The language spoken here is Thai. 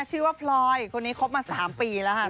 ชื่อว่าพลอยคนนี้คบมา๓ปีแล้วค่ะ